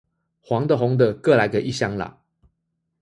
黃的紅的各來個一箱啦